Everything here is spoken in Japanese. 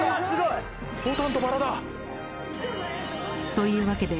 ［というわけで］